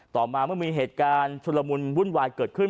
ต่อมาเมื่อมีเหตุการณ์ชุลมุนวุ่นวายเกิดขึ้น